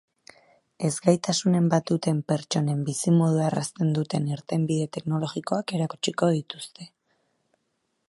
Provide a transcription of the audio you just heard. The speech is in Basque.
Ezgaitasunen bat duten pertsonen bizimodua errazten duten irtenbide teknologikoak erakutsiko dituzte.